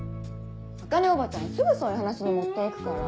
茜おばちゃんすぐそういう話に持って行くから。